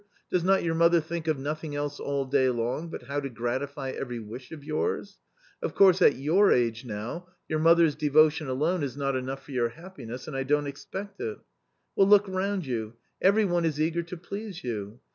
Does not your mother think of nothing_.elsfi.3lL, day long but how" to gratif^every_wish of yours ? Of course, at your age now, your mother's devotion alone is not enough for your happiness : and I don't expect it. Well, * look round you ; every one is eager to please you.